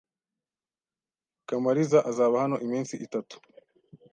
Kamariza azaba hano iminsi itatu.